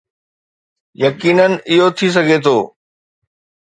يقينن اهو ٿي سگهي ٿو